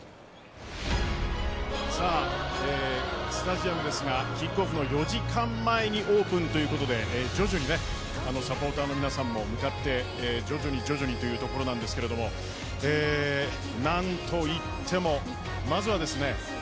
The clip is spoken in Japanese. さあスタジアムですがキックオフ４時間前にオープンということで徐々にサポーターの皆さんも向かって徐々に徐々にというところなんですけれども何といっても、まずはですね